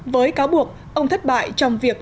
với cáo buộc ông thất bại trong việc